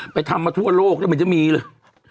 ไปทำมาทั่วโลกว่ามันจะมีแล้ว